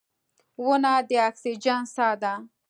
• ونه د اکسیجن ساه ده.